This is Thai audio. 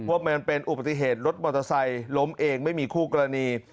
ว่ามันเป็นอุบัติเหตุรถมอเตอร์ไซค์ล้มเองไม่มีคู่กรณี